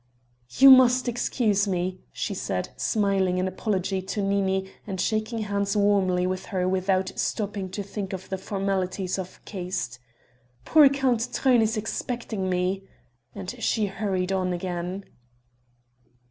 "You must excuse me," she said, smiling an apology to Nini and shaking hands warmly with her without stopping to think of the formalities of caste. "Poor Count Truyn is expecting me." And she hurried on again.